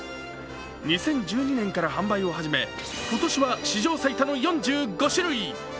２０１２年から販売を始め今年は史上最多の４５種類。